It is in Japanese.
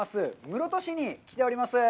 室戸市に来ております。